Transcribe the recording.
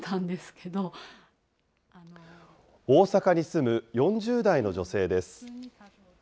大阪に住む４０代の女性です。